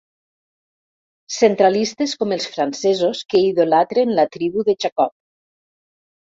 Centralistes com els francesos que idolatren la tribu de Jacob.